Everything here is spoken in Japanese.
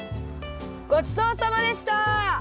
ごちそうさまでした！